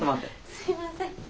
すいません。